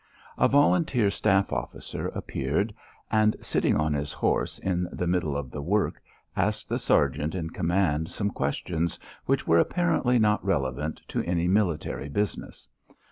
A volunteer staff officer appeared, and, sitting on his horse in the middle of the work, asked the sergeant in command some questions which were apparently not relevant to any military business.